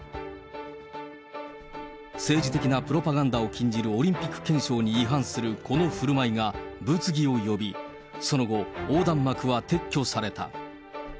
政治的なプロパガンダを禁じるオリンピック憲章に違反するこの振る舞いが、物議を呼び、その後、横断幕は撤去された。